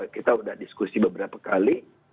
kita sudah diskusi beberapa kali